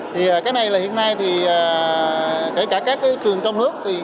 thì cái này là hiện nay thì kể cả các trường trong nước